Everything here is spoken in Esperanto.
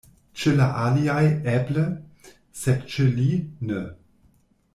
Ĉe la aliaj, eble; sed ĉe li, ne.